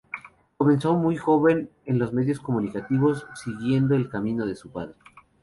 Comenzó muy joven en los medios comunicativos, siguiendo el camino de su padre.